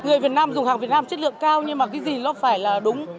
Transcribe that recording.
người việt nam dùng hàng việt nam chất lượng cao nhưng mà cái gì nó phải là đúng